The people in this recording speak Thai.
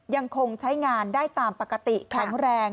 ยังคงใช้งานได้ตามปกติแข็งแรง